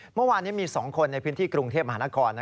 เมื่อวานนี้มี๒คนในพื้นที่กรุงเทพมหานคร